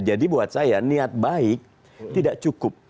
jadi buat saya niat baik tidak cukup